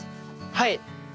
はい。